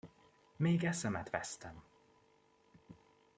Még eszemet vesztem!